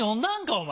お前。